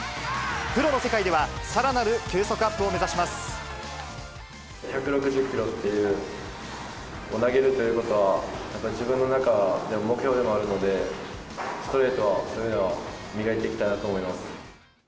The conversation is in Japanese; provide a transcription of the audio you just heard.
プロの世界では、さらなる球速ア１６０キロっていう、を投げるということは、やっぱり自分の中でも目標でもあるので、ストレートは磨いていきたいなと思います。